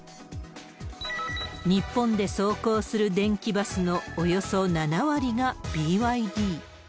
日本で走行する電気バスのおよそ７割がＢＹＤ。